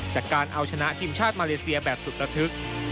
จากการเอาชนะทีมชาติมาเลเซียแบบสุดระทึก